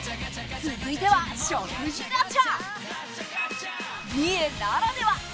「続いては」